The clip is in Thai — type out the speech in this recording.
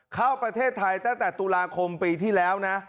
เข้าประเทศไทยตั้งแต่ตุลาคมปีที่แล้วนะ